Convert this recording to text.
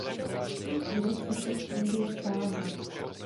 Příští rok se však z Indie stáhl.